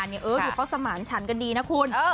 เนี่ยเหรอดูเขาสมาร์นฉันกันดีนะคุณ